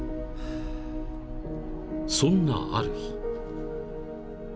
［そんなある日］